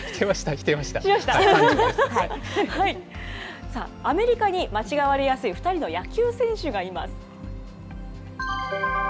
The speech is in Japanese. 否定はした、アメリカに間違われやすい、２人の野球選手がいます。